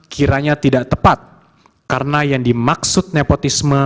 kiranya tidak tepat karena yang dimaksud nepotisme